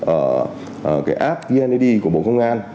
ở cái app vnad của bộ công an